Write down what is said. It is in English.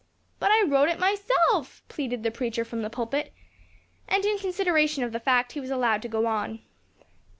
"But I wrote it myself," pleaded the preacher from the pulpit; and, in consideration of the fact, he was allowed to go on.